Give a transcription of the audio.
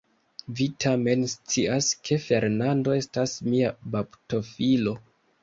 Vi tamen scias, ke Fernando estas mia baptofilo.